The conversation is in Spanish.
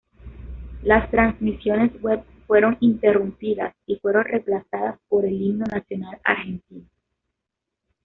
Las transmisiones web fueron interrumpidas y fueron reemplazadas por el himno nacional argentino.